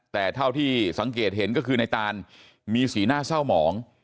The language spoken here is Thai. แต่เท่าที่สังเกตเห็นก็คือในตานมีสีหน้าเศร้าหมอง